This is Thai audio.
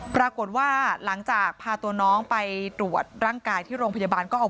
ปรากฏว่าหลังจากพาตัวน้องไปตรวจร่างกายที่โรงพยาบาลก็เอา